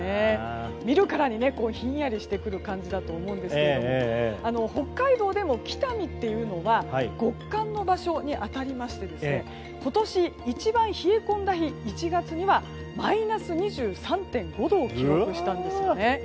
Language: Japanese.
見るからにひんやりしてくる感じだと思うんですが北海道でも北見というのは極寒の場所に当たりまして今年一番冷え込んだ日１月にはマイナス２３．５度を記録したんです。